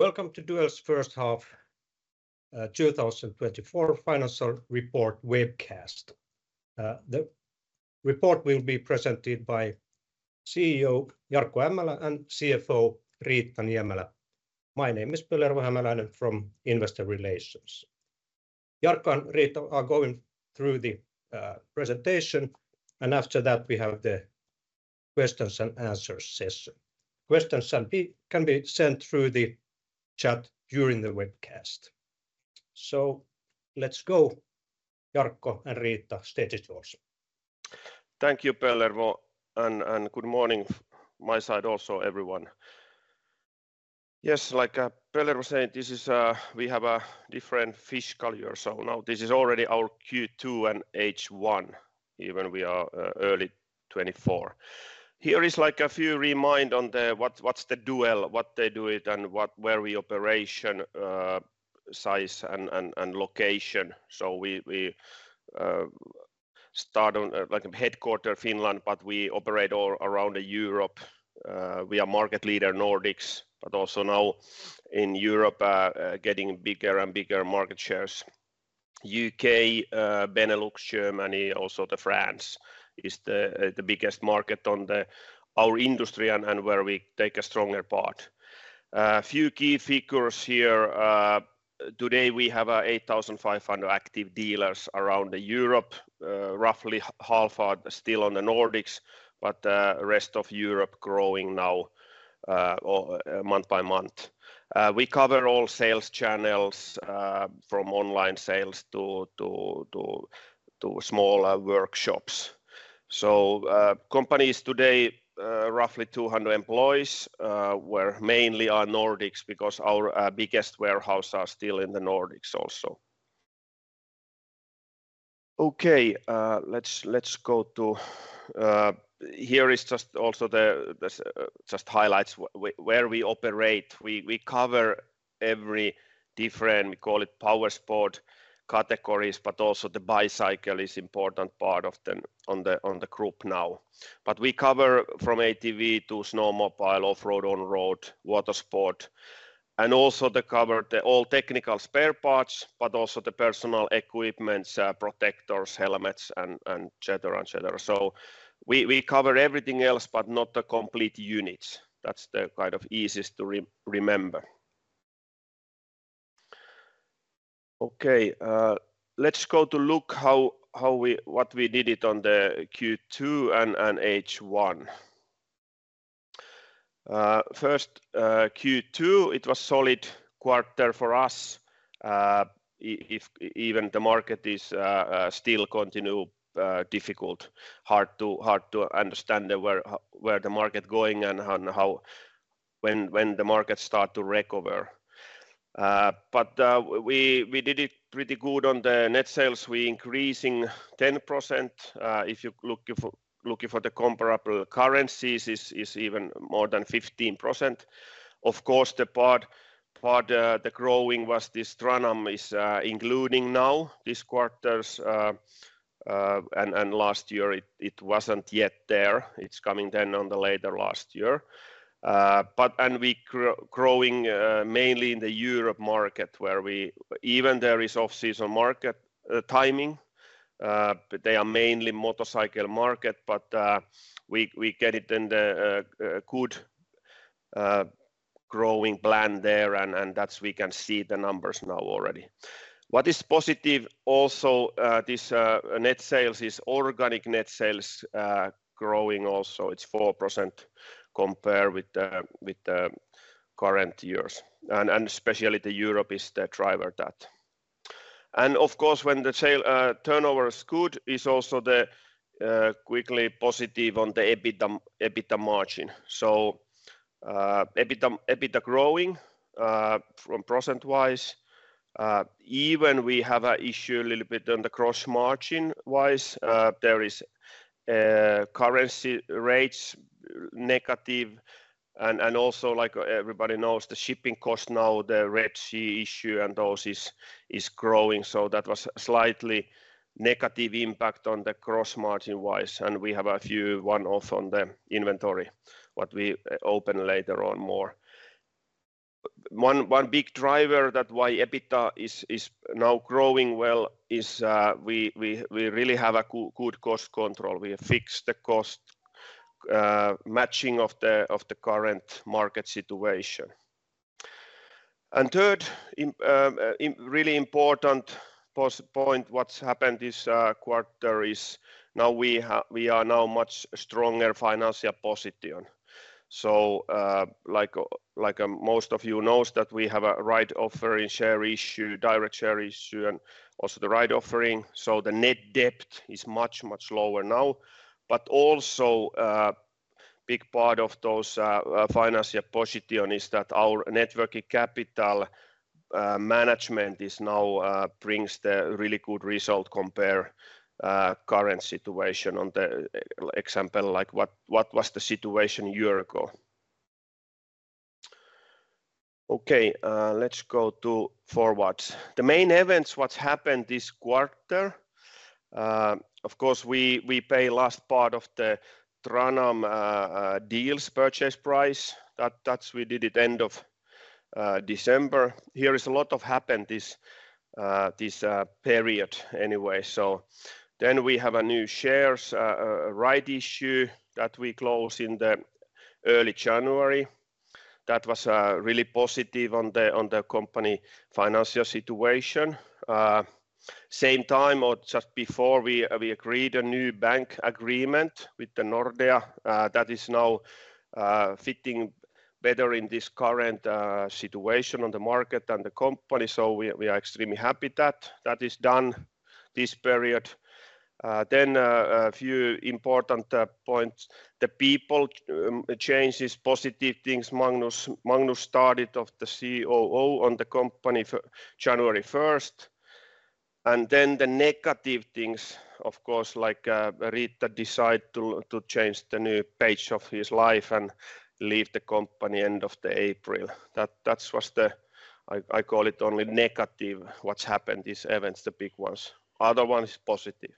Welcome to Duell's First Half, 2024 Financial Report Webcast. The report will be presented by CEO Jarkko Ämmälä and CFO Riitta Niemelä. My name is Pellervo Hämäläinen from Investor Relations. Jarkko and Riitta are going through the presentation, and after that we have the questions and answers session. Questions can be sent through the chat during the webcast. Let's go, Jarkko and Riitta, stage is yours. Thank you, Pellervo, and good morning from my side also, everyone. Yes, like Pellervo said, we have a different fiscal year, so now this is already our Q2 and H1, even though we are early 2024. Here are a few reminders on what Duell is, what they do, and where we operate, size, and location. So we have headquarters in Finland, but we operate all around Europe. We are a market leader, Nordics, but also now in Europe getting bigger and bigger market shares. UK, Benelux, Germany, also France is the biggest market in our industry and where we take a stronger part. A few key figures here: today we have 8,500 active dealers around Europe, roughly half are still in the Nordics, but the rest of Europe is growing now month by month. We cover all sales channels, from online sales to smaller workshops. So the company today, roughly 200 employees, where mainly are Nordics because our biggest warehouses are still in the Nordics also. Okay, let's go to, here is just also the highlights where we operate. We cover every different, we call it powersports categories, but also the bicycle is an important part of the group now. But we cover from ATV to snowmobile, off-road, on-road, water sport, and also we cover all technical spare parts, but also the personal equipment, protectors, helmets, etc. So we cover everything else, but not the complete units. That's the kind of easiest to remember. Okay, let's go to look at what we did on the Q2 and H1. First Q2, it was a solid quarter for us. Even the market is still continuing to be difficult, hard to understand where the market is going and when the market starts to recover. But we did it pretty good on the net sales. We increased 10%. If you're looking for the comparable currencies, it's even more than 15%. Of course, the part that is growing is this TranAm, which is including now these quarters. And last year it wasn't yet there. It's coming then on the later last year. And we are growing mainly in the Europe market, where even there is off-season market timing. They are mainly a motorcycle market, but we get it in a good growing plan there, and that's where we can see the numbers now already. What is positive also: these net sales are organic net sales growing also. It's 4% compared with the current years. And especially Europe is the driver of that. And of course, when the turnover is good, it's also quickly positive on the EBITDA margin. So EBITDA is growing percent-wise. Even we have an issue a little bit on the gross-margin-wise. There are currency rates negative. And also, like everybody knows, the shipping costs now, the Red Sea issue, and those are growing. So that was a slightly negative impact on the gross-margin-wise. And we have a few one-offs on the inventory, what we open later on more. One big driver that's why EBITDA is now growing well is we really have good cost control. We fix the cost matching of the current market situation. And third, a really important point: what's happened this quarter is now we are now in a much stronger financial position. So like most of you know, we have a rights offering share issue, direct share issue, and also the rights offering. So the net debt is much, much lower now. But also a big part of those financial positions is that our net working capital management now brings a really good result compared to the current situation. For example, what was the situation a year ago? Okay, let's go forward. The main events, what's happened this quarter: of course, we paid the last part of the TranAm deal's purchase price. That's what we did at the end of December. Here is a lot that happened this period anyway. So then we have new shares rights issue that we closed in early January. That was really positive on the company financial situation. Same time or just before, we agreed on a new bank agreement with Nordea. That is now fitting better in this current situation on the market and the company. So we are extremely happy that that is done this period. Then a few important points: the people changes, positive things. Magnus started as the COO of the company on January 1st. Then the negative things, of course, like Riitta decided to change the new page of his life and leave the company at the end of April. That was the, I call it, only negative what's happened, these events, the big ones. The other one is positive.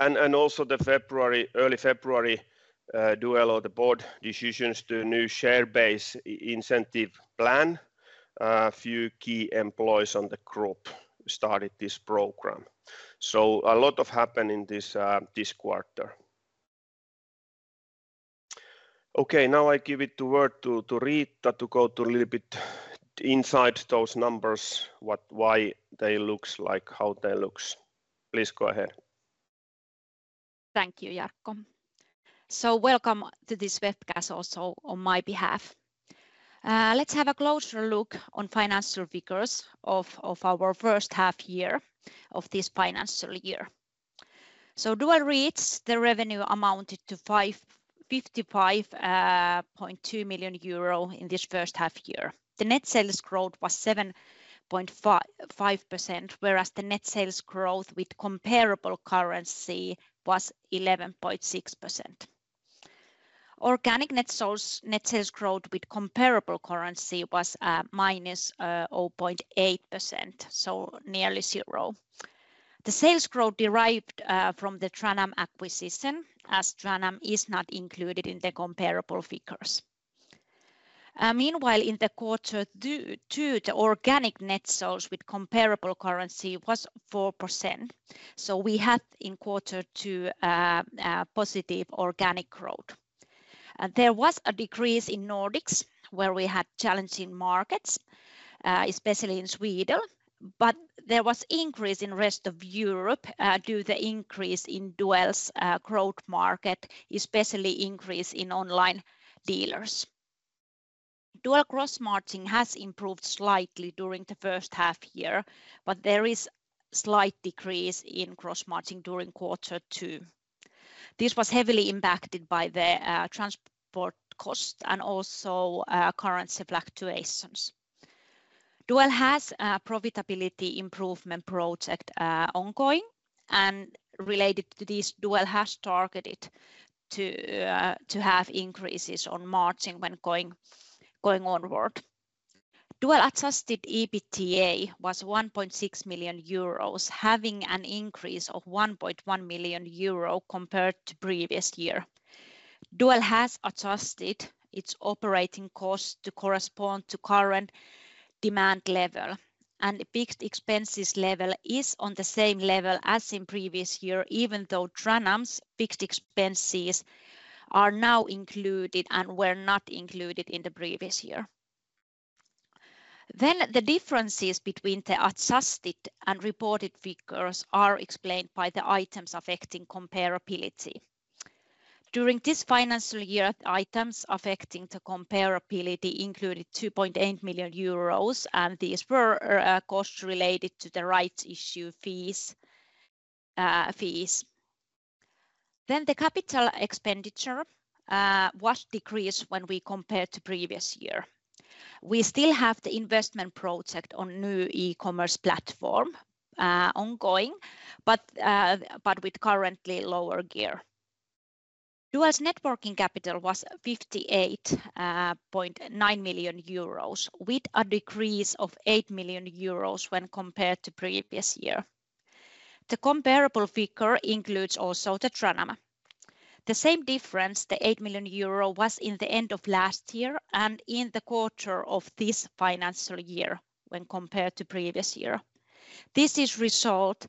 And also the early February Duell board decisions to do a new share-based incentive plan. A few key employees on the group started this program. So a lot happened in this quarter. Okay, now I give the word to Riitta to go a little bit inside those numbers, why they look like, how they look. Please go ahead. Thank you, Jarkko. So welcome to this webcast also on my behalf. Let's have a closer look on financial figures of our first half year of this financial year. So Duell, the revenue amounted to 55.2 million euro in this first half year. The net sales growth was 7.5%, whereas the net sales growth with comparable currency was 11.6%. Organic net sales growth with comparable currency was -0.8%, so nearly zero. The sales growth derived from the TranAm acquisition, as TranAm is not included in the comparable figures. Meanwhile, in quarter two, the organic net sales with comparable currency was 4%. So we had, in quarter two, positive organic growth. There was a decrease in Nordics, where we had challenging markets, especially in Sweden. But there was an increase in the rest of Europe due to the increase in Duell's growth market, especially the increase in online dealers. Gross margin has improved slightly during the first half year, but there is a slight decrease in gross margin during quarter two. This was heavily impacted by the transport costs and also currency fluctuations. Duell has a profitability improvement project ongoing. Related to this, Duell has targeted to have increases in margin when going onward. Duell adjusted EBITDA was 1.6 million euros, having an increase of 1.1 million euro compared to the previous year. Duell has adjusted its operating costs to correspond to the current demand level. The fixed expenses level is on the same level as in the previous year, even though TranAm's fixed expenses are now included and were not included in the previous year. The differences between the adjusted and reported figures are explained by the items affecting comparability. During this financial year, the items affecting the comparability included 2.8 million euros, and these were costs related to the rights issue fees. Then the capital expenditure decreased when we compared to the previous year. We still have the investment project on a new e-commerce platform ongoing, but with currently lower gear. Duell's net working capital was 58.9 million euros, with a decrease of 8 million euros when compared to the previous year. The comparable figure includes also TranAm. The same difference, the 8 million euro, was in the end of last year and in the quarter of this financial year when compared to the previous year. This is a result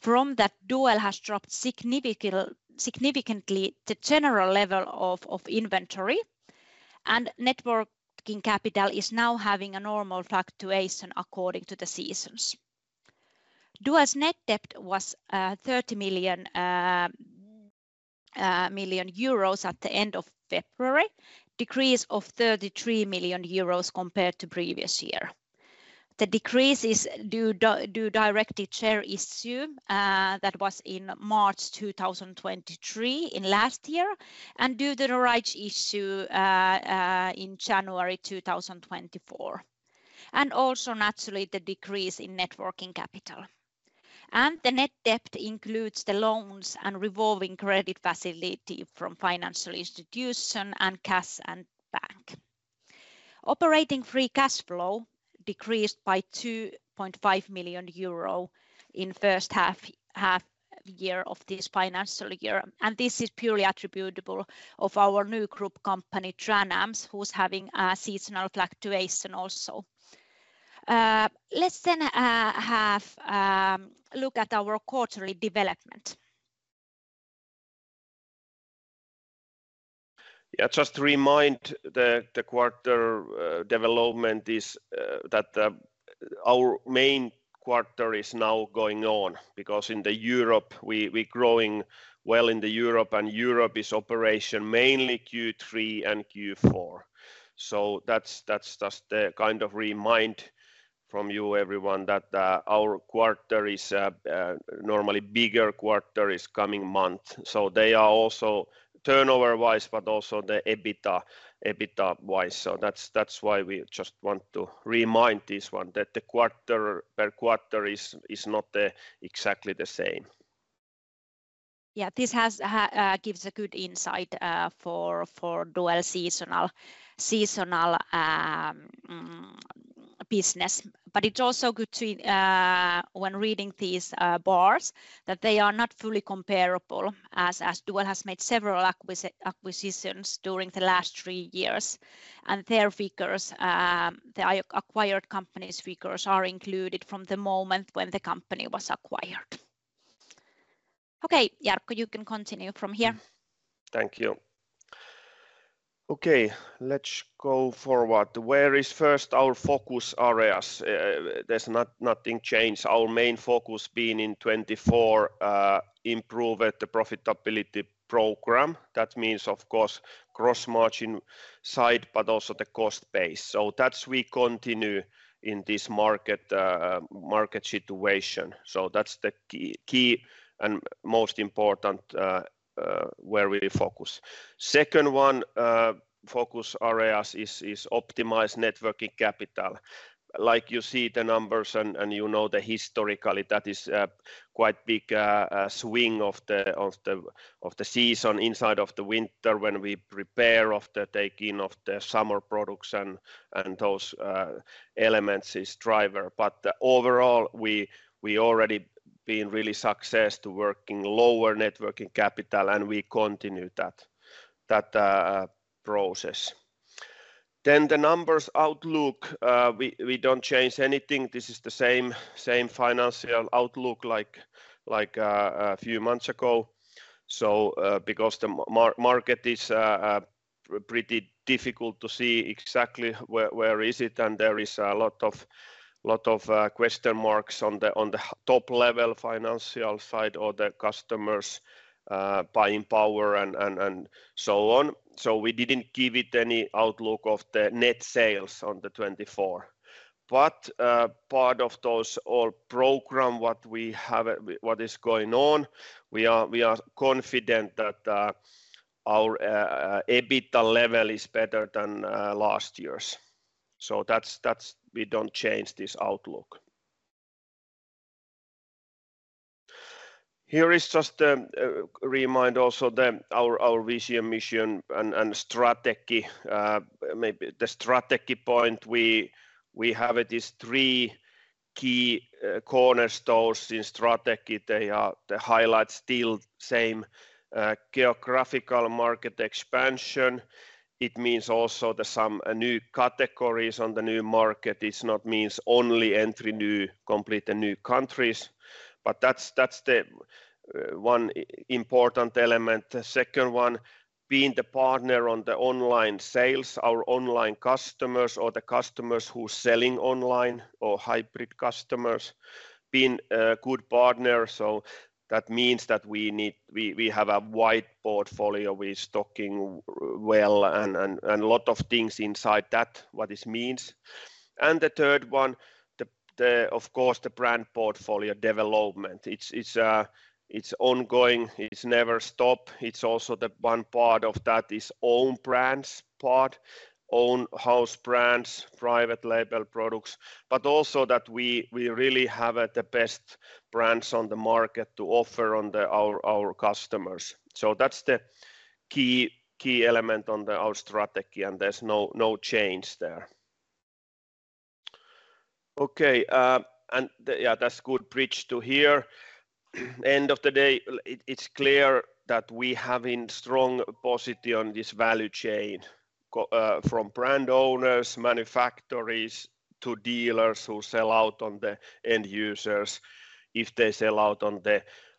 from the fact that Duell has dropped significantly the general level of inventory, and net working capital is now having a normal fluctuation according to the seasons. Duell's net debt was 30 million euros at the end of February, a decrease of 33 million euros compared to the previous year. The decrease is due to the direct share issue that was in March 2023 in last year and due to the rights issue in January 2024. Also, naturally, the decrease in net working capital. The net debt includes the loans and revolving credit facilities from financial institutions and cash and bank. Operating free cash flow decreased by 2.5 million euro in the first half year of this financial year. This is purely attributable to our new group company, TranAm, which is having seasonal fluctuations also. Let's have a look at our quarterly development. Yeah, just to remind, the quarter development is that our main quarter is now going on because in Europe, we are growing well in Europe, and Europe is operating mainly Q3 and Q4. So that's just a kind of reminder from you everyone that our quarter is normally a bigger quarter in the coming months. So they are also turnover-wise, but also EBITDA-wise. So that's why we just want to remind this one, that the quarter per quarter is not exactly the same. Yeah, this gives a good insight for Duell seasonal business. But it's also good to see when reading these bars that they are not fully comparable, as Duell has made several acquisitions during the last three years. And their figures, the acquired companies' figures, are included from the moment when the company was acquired. Okay, Jarkko, you can continue from here. Thank you. Okay, let's go forward. Where are first our focus areas? There's nothing changed. Our main focus has been in 2024 to improve the profitability program. That means, of course, the gross-margin side, but also the cost base. So that's where we continue in this market situation. So that's the key and most important area where we focus. The second one focus area is optimized net working capital. Like you see the numbers and you know historically, that is a quite big swing of the season inside of the winter when we prepare for the taking of the summer production. And those elements are a driver. But overall, we have already been really successful in working with lower net working capital, and we continue that process. Then the numbers outlook, we don't change anything. This is the same financial outlook like a few months ago. So because the market is pretty difficult to see exactly where it is, and there are a lot of question marks on the top-level financial side or the customers' buying power and so on. So we didn't give any outlook of the net sales in 2024. But part of those all programs, what we have, what is going on, we are confident that our EBITDA level is better than last year's. So we don't change this outlook. Here is just a reminder also of our vision, mission, and strategy. Maybe the strategy point we have is three key cornerstones in strategy. They highlight still the same geographical market expansion. It means also that some new categories on the new market. It does not mean only entering completely new countries. But that's the one important element. The second one, being the partner on the online sales, our online customers or the customers who are selling online or hybrid customers, being a good partner. So that means that we have a wide portfolio. We are stocking well and a lot of things inside that, what this means. And the third one, of course, the brand portfolio development. It's ongoing. It never stops. It's also the one part of that is the own brands part, own house brands, private label products, but also that we really have the best brands on the market to offer to our customers. So that's the key element in our strategy, and there's no change there. Okay, and yeah, that's a good bridge to here. At the end of the day, it's clear that we have a strong position on this value chain from brand owners, manufacturers, to dealers who sell out to the end users. If they sell out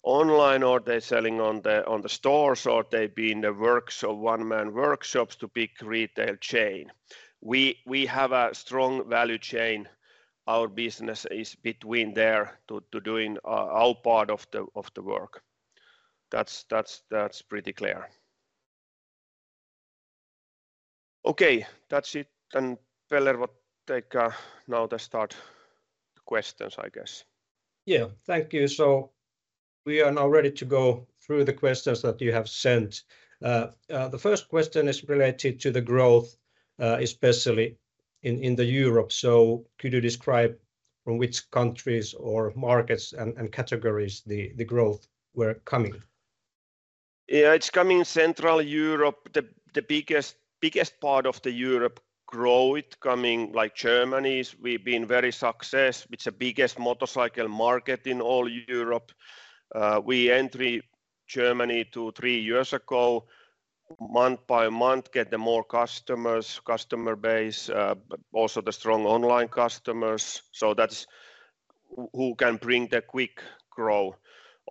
online or they're selling in the stores or they've been in the workshops, one-man workshops to a big retail chain, we have a strong value chain. Our business is between there to do our part of the work. That's pretty clear. Okay, that's it. And Pellervo, now let's start the questions, I guess. Yeah, thank you. So we are now ready to go through the questions that you have sent. The first question is related to the growth, especially in Europe. So could you describe from which countries or markets and categories the growth is coming? Yeah. It's coming from Central Europe. The biggest part of Europe is growing, coming like Germany. We've been a very successful, with the biggest motorcycle market in all Europe. We entered Germany two, three years ago, month by month, getting more customers, customer base, also strong online customers. So that's who can bring the quick growth.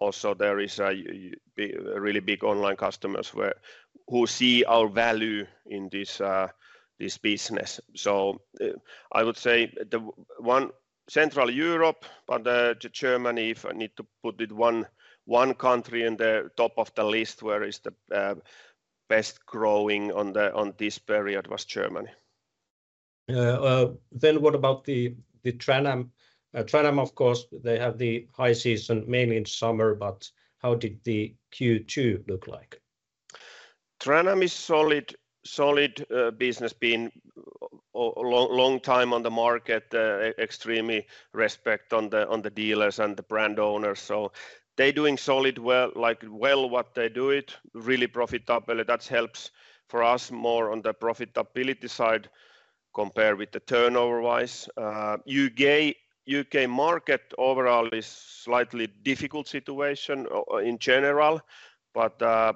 Also, there are really big online customers who see our value in this business. So I would say the one Central Europe, but Germany, if I need to put one country at the top of the list where it's the best growing in this period, was Germany. Then what about TranAm? TranAm, of course, they have the high season, mainly in summer. But how did the Q2 look like? TranAm is a solid business, been a long time on the market, extremely respect for the dealers and the brand owners. So they are doing solidly, like well what they do, really profitable. That helps for us more on the profitability side compared with the turnover-wise. The U.K. market overall is a slightly difficult situation in general. But I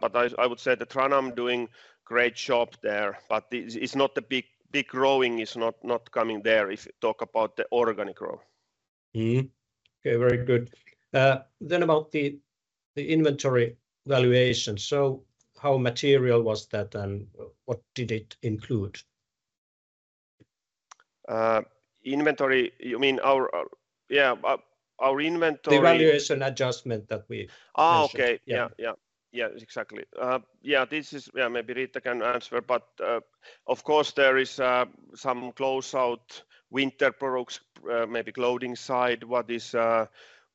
would say TranAm is doing a great job there. But it's not the big growing that is not coming there if you talk about the organic growth. Okay, very good. Then about the inventory valuation. So how material was that and what did it include? Inventory, you mean our, yeah, our inventory. The valuation adjustment that we mentioned. Okay. Yeah, yeah, yeah, exactly. Yeah, this is, yeah, maybe Riitta can answer. But of course, there is some close-out winter products, maybe clothing side, what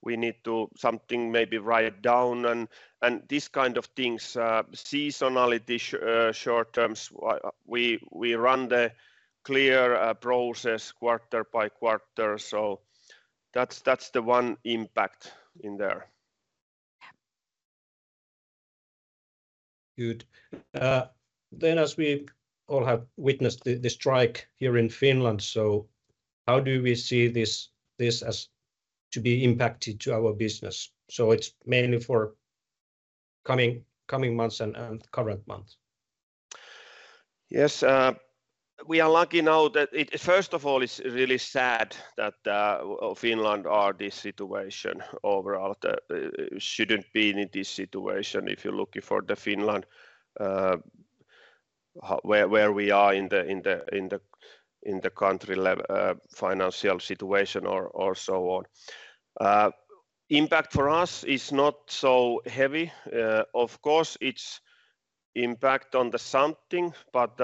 we need to something maybe write down and these kinds of things, seasonality, short terms. We run a clear process quarter by quarter. So that's the one impact in there. Good. Then as we all have witnessed the strike here in Finland, so how do we see this as to be impacted on our business? So it's mainly for the coming months and the current month. Yes, we are lucky now that, first of all, it's really sad that Finland is in this situation overall. It shouldn't be in this situation if you're looking for Finland, where we are in the country financial situation or so on. The impact for us is not so heavy. Of course, it's an impact on something, but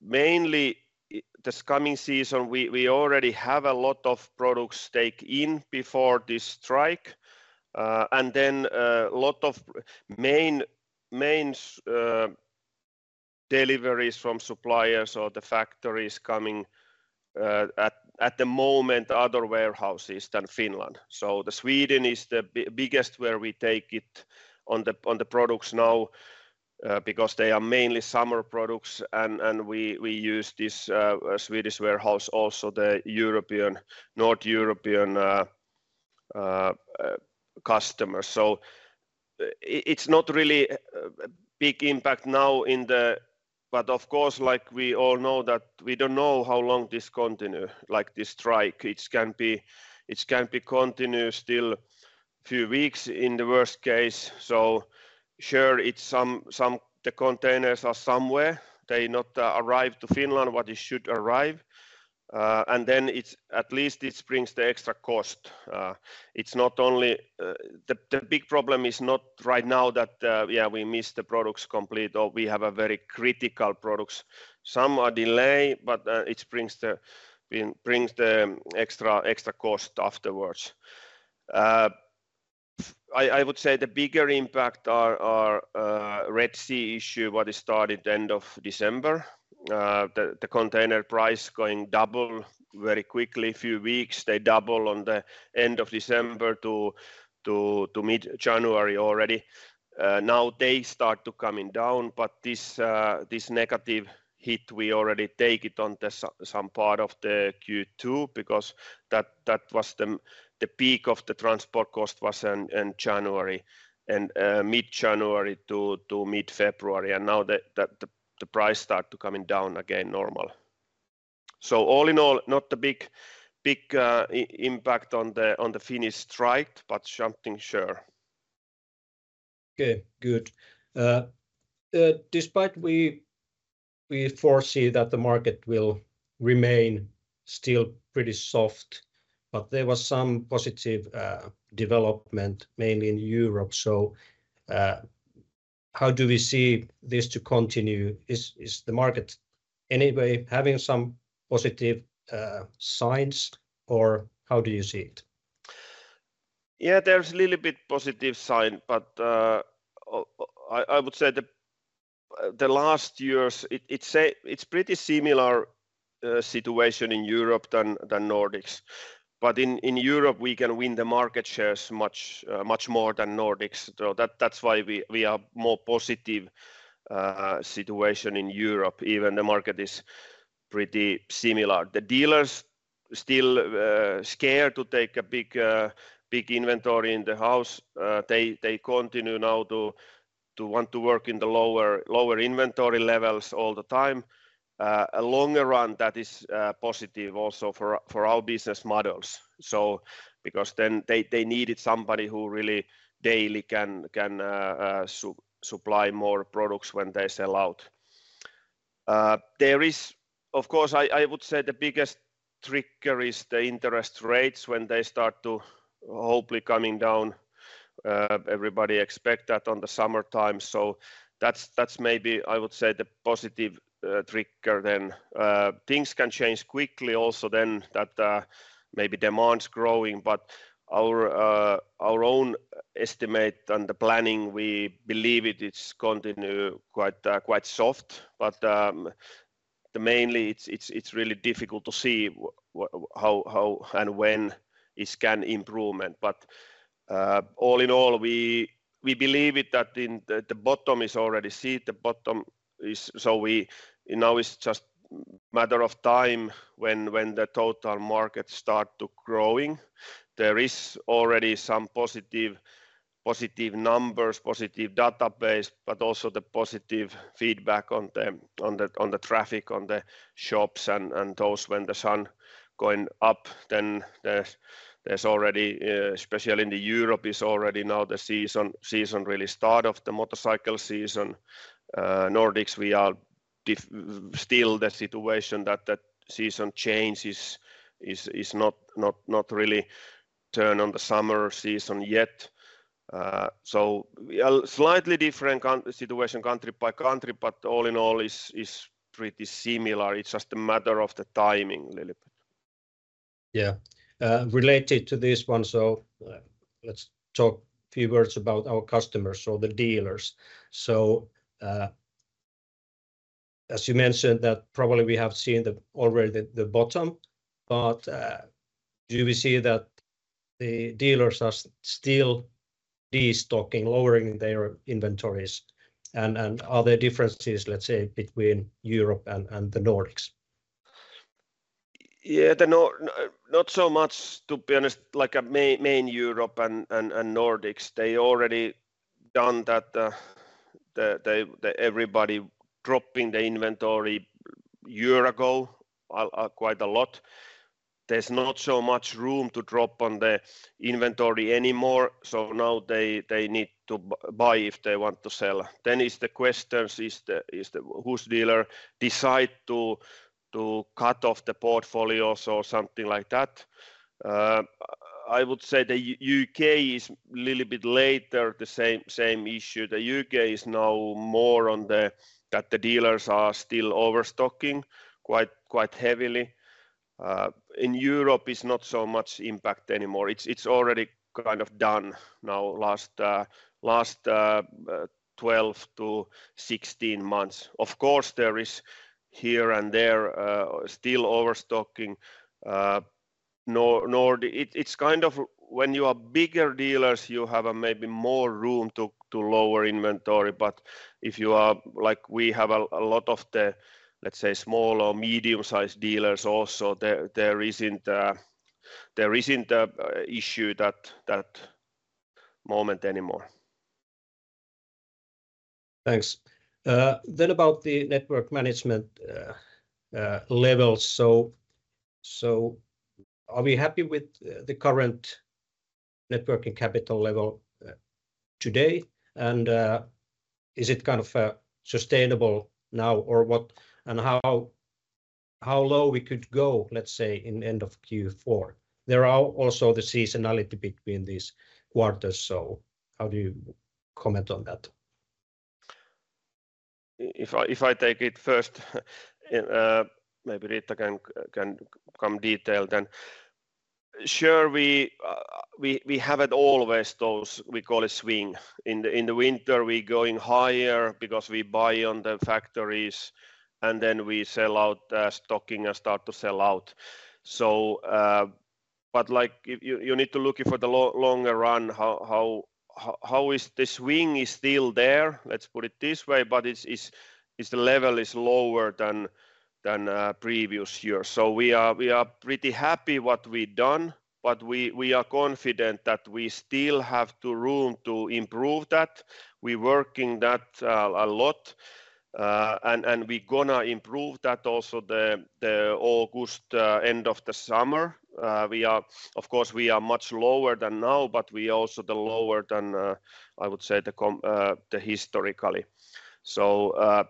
mainly this coming season, we already have a lot of products taken in before the strike. And then a lot of main deliveries from suppliers or the factories are coming at the moment from other warehouses than Finland. So Sweden is the biggest where we take in the products now because they are mainly summer products. And we use this Swedish warehouse also, the European and North European customers. So it's not really a big impact now in the... Of course, like we all know that we don't know how long this will continue, like this strike. It can be continuing for a few weeks in the worst case. Sure, the containers are somewhere. They did not arrive in Finland, but they should arrive. And then at least it brings the extra cost. It's not only, the big problem is not right now that, yeah, we miss the products completely or we have very critical products. Some are delayed, but it brings the extra cost afterwards. I would say the bigger impact is the Red Sea issue, which started at the end of December, the container price going double very quickly. A few weeks, they doubled at the end of December to mid-January already. Now they start coming down, but this negative hit, we already took it on some part of the Q2 because that was the peak of the transport cost in mid-January to mid-February. And now the price started coming down again, normal. So all in all, not a big impact on the Finnish strike, but something sure. Okay, good. Despite that, we foresee that the market will remain still pretty soft, but there was some positive development mainly in Europe. So how do we see this continuing? Is the market anyway having some positive signs, or how do you see it? Yeah, there's a little bit of a positive sign, but I would say that in the last years, it's a pretty similar situation in Europe than the Nordics. But in Europe, we can win the market shares much more than the Nordics. So that's why we have a more positive situation in Europe. Even the market is pretty similar. The dealers are still scared to take a big inventory in the house. They continue now to want to work on the lower inventory levels all the time. In the long run, that is positive also for our business models. So because then they need somebody who really daily can supply more products when they sell out. Of course, I would say the biggest trigger is the interest rates when they start hopefully coming down. Everybody expects that in the summertime. So that's maybe, I would say, the positive trigger then. Things can change quickly also then that maybe demand is growing. But our own estimate and the planning, we believe it will continue quite soft. But mainly, it's really difficult to see how and when there can be improvements. But all in all, we believe that the bottom is already seen. So now it's just a matter of time when the total market starts growing. There are already some positive numbers, positive databases, but also positive feedback on the traffic, on the shops, and those when the sun is going up. Then there's already, especially in Europe, is already now the season really started, the motorcycle season. In the Nordics, we are still in the situation that the season change is not really turned on the summer season yet. So we are a slightly different situation, country by country, but all in all, it's pretty similar. It's just a matter of timing a little bit. Yeah, related to this one, so let's talk a few words about our customers, so the dealers. So as you mentioned, that probably we have seen already the bottom, but do we see that the dealers are still destocking, lowering their inventories? And are there differences, let's say, between Europe and the Nordics? Yeah, not so much, to be honest, like main Europe and Nordics. They have already done that. Everybody dropped their inventory a year ago quite a lot. There's not so much room to drop the inventory anymore. So now they need to buy if they want to sell. Then the question is, which dealer decides to cut off the portfolio or something like that? I would say the U.K. is a little bit later, the same issue. The U.K. is now more on the fact that the dealers are still overstocking quite heavily. In Europe, it's not so much an impact anymore. It's already kind of done now in the last 12 months-16 months. Of course, there is here and there still overstocking. It's kind of when you have bigger dealers, you have maybe more room to lower inventory. But if you are, like we have a lot of the, let's say, small or medium-sized dealers also, there isn't an issue at that moment anymore. Thanks. Then about the net working capital levels. So are we happy with the current net working capital level today? And is it kind of sustainable now or what? And how low could we go, let's say, in the end of Q4? There is also the seasonality between these quarters. So how do you comment on that? If I take it first, maybe Riitta can come into detail. Then, sure, we have always those we call a swing. In the winter, we are going higher because we buy from the factories and then we sell out the stock and start to sell out. But you need to look in the long run. How is the swing still there? Let's put it this way. The level is lower than the previous year. So we are pretty happy with what we've done, but we are confident that we still have room to improve that. We are working on that a lot. We are going to improve that also in the end of the summer. Of course, we are much lower than now, but we are also lower than, I would say, historically. So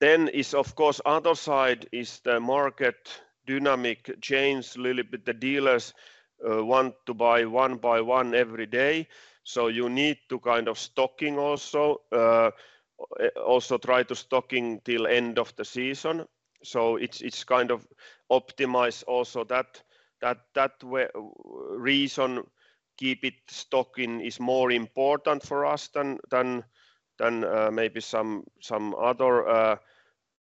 then is, of course, the other side is the market dynamic changes a little bit. The dealers want to buy one by one every day. So you need to kind of stock also try to stock until the end of the season. So it's kind of optimized also that reason to keep stocking is more important for us than maybe some other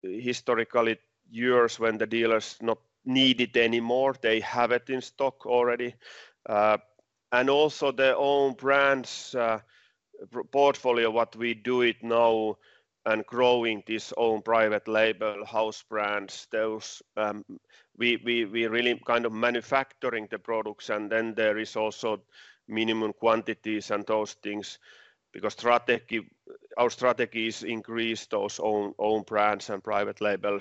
historical years when the dealers didn't need it anymore. They have it in stock already. And also the own brand portfolio, what we do now and growing these own private label house brands, we are really kind of manufacturing the products. And then there are also minimum quantities and those things because our strategy is to increase those own brands and private label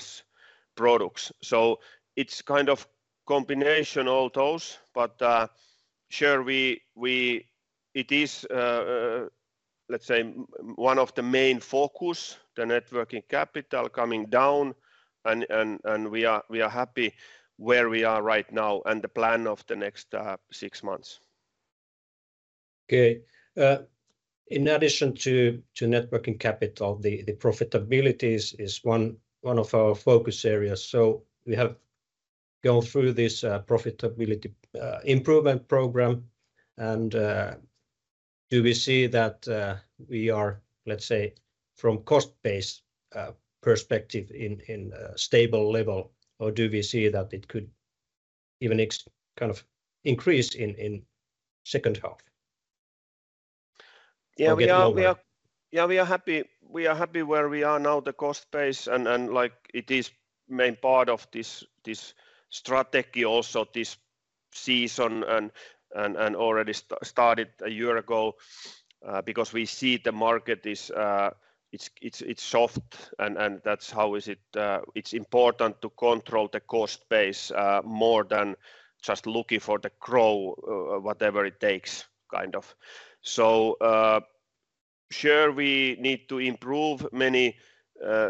products. So it's kind of a combination of all those. But sure, it is, let's say, one of the main focuses, the net working capital coming down. We are happy where we are right now and the plan for the next six months. Okay. In addition to net working capital, the profitability is one of our focus areas. So we have gone through this profitability improvement program. Do we see that we are, let's say, from a cost-based perspective at a stable level? Or do we see that it could even kind of increase in the second half? Yeah, we are happy where we are now, the cost-based one. It is a main part of this strategy also, this season, and already started a year ago because we see the market is soft. That's how it is. It's important to control the cost base more than just looking for the growth, whatever it takes kind of. So sure, we need to improve many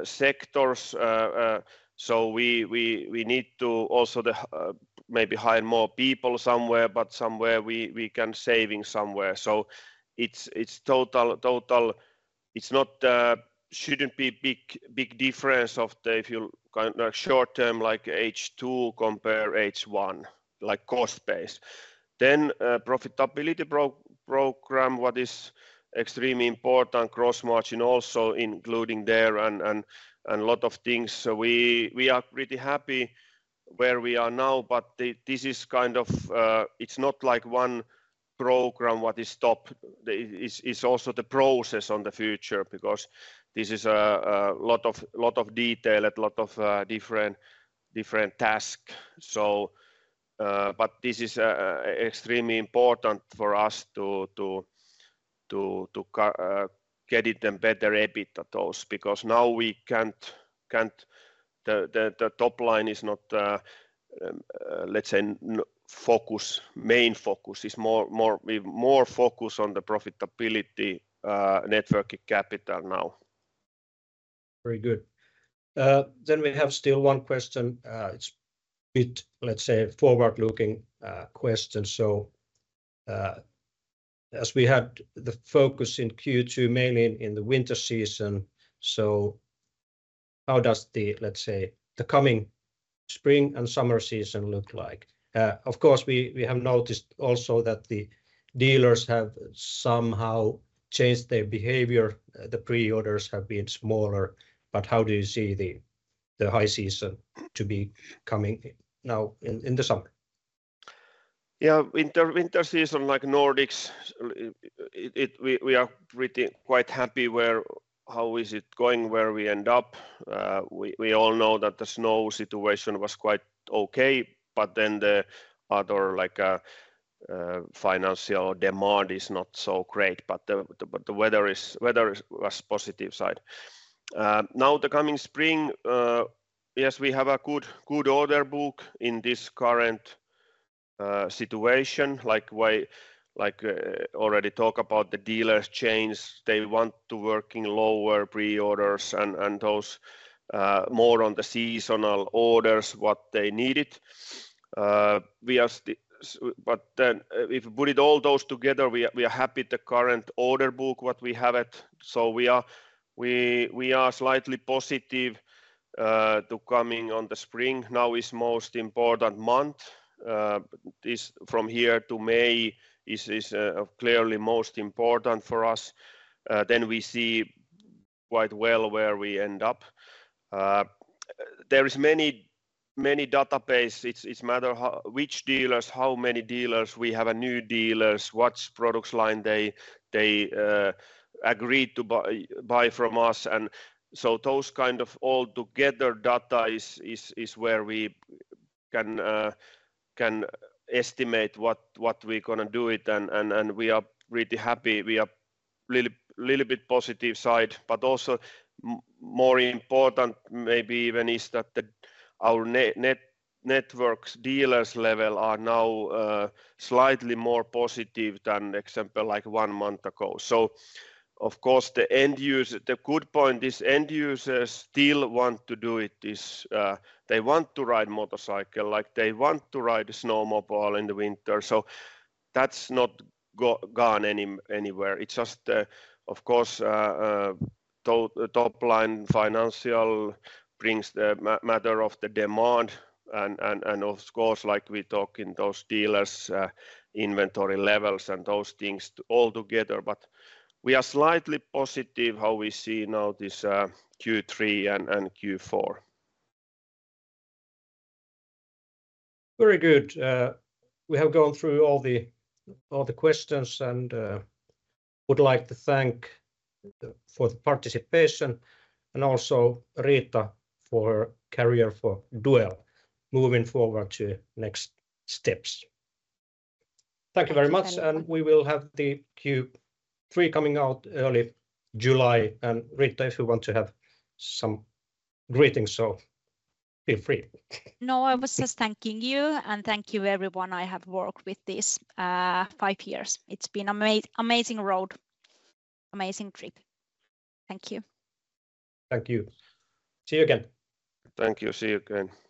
sectors. We need to also maybe hire more people somewhere, but somewhere we can save somewhere. It's not a big difference if you look at the short term, like H2 compared to H1, like cost-based. Then the profitability program, which is extremely important, gross margin also including there and a lot of things. We are pretty happy where we are now. But this is kind of, it's not like one program that is top. It's also the process for the future because this is a lot of detail and a lot of different tasks. But this is extremely important for us to get a better profit on those because now we can't, the top line is not, let's say, the main focus. It's more focused on the profitability, net working capital now. Very good. Then we have still one question. It's a bit, let's say, forward-looking question. So as we had the focus in Q2 mainly in the winter season, so how does the, let's say, the coming spring and summer season look like? Of course, we have noticed also that the dealers have somehow changed their behavior. The pre-orders have been smaller. But how do you see the high season coming now in the summer? Yeah, in the winter season, like the Nordics, we are pretty quite happy with how it is going, where we end up. We all know that the snow situation was quite okay, but then the other financial demand is not so great. But the weather was on the positive side. Now, in the coming spring, yes, we have a good order book in this current situation. Like we already talked about the dealers' change. They want to work on lower pre-orders and those more on the seasonal orders, what they needed. But then if we put all those together, we are happy with the current order book that we have it. So we are slightly positive about coming in the spring. Now is the most important month. From here to May is clearly the most important for us. Then we see quite well where we end up. There are many databases. It matters which dealers, how many dealers we have, new dealers, what product lines they agree to buy from us. So those kind of all together data is where we can estimate what we are going to do. We are pretty happy. We are a little bit on the positive side. Also more important maybe even is that our network dealers' level is now slightly more positive than, for example, like one month ago. Of course, the end user. The good point is end users still want to do it. They want to ride a motorcycle. They want to ride a snowmobile in the winter. That's not gone anywhere. It's just, of course, the top line financial brings the matter of the demand. Of course, like we talked about those dealers' inventory levels and those things all together. But we are slightly positive about how we see now this Q3 and Q4. Very good. We have gone through all the questions and would like to thank you for your participation. Also Riitta for her career at Duell. Moving forward to the next steps. Thank you very much. We will have Q3 coming out in early July. Riitta, if you want to have some greetings, feel free. No, I was just thanking you. Thank you, everyone. I have worked with this for five years. It's been an amazing road. Amazing trip. Thank you. Thank you. See you again. Thank you. See you again.